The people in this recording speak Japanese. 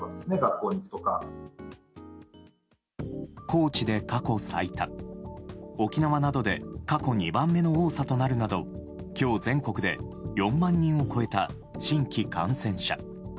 高知で過去最多、沖縄などで過去２番目の多さとなるなど今日、全国で４万人を超えた新規感染者。